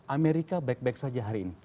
amerika baik baik saja hari ini